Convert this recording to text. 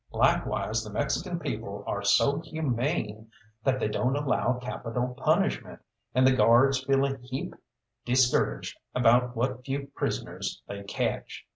Likewise the Mexican people are so humane that they don't allow capital punishment, and the Guards feel a heap discouraged about what few prisoners they catch.